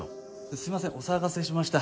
すいませんお騒がせしました。